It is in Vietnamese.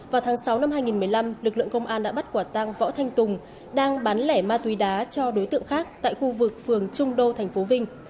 vào tháng sáu năm hai nghìn một mươi năm lực lượng công an đã bắt quả tăng võ thanh tùng đang bán lẻ ma túy đá cho đối tượng khác tại khu vực phường trung đô tp vinh